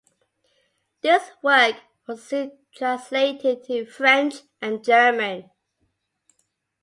This work was soon translated into French and German.